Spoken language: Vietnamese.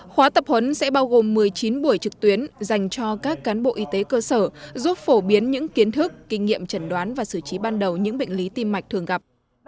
khóa tập huấn sẽ bao gồm một mươi chín buổi trực tuyến dành cho các cán bộ y tế cơ sở giúp phổ biến những kiến thức kinh nghiệm chẩn đoán và xử trí ban đầu những bệnh lý tim mạch thường gặp